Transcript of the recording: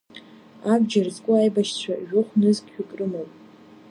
Абџьар зку аибашьцәа жәохә нызқьҩык рымоуп.